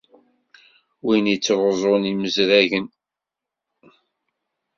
Win i yettruẓun imezragen.